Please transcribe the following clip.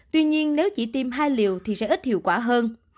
tuy nhiên nếu chỉ tiêm hai liều thì sẽ ít hiệu quả hơn